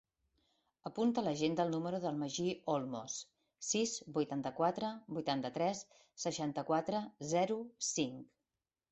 Apunta a l'agenda el número del Magí Olmos: sis, vuitanta-quatre, vuitanta-tres, seixanta-quatre, zero, cinc.